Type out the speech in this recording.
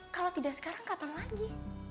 kalau tidak sekarang kapan lagi